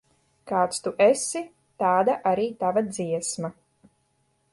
Kāds tu esi, tāda arī tava dziesma.